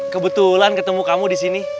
kebetulan ketemu kamu disini